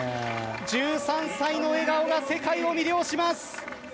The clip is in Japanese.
１３歳の笑顔が世界を魅了します。